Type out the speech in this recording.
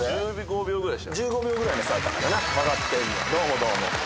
１５秒ぐらいでしたね